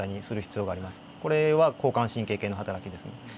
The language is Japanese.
これは交感神経系のはたらきですね。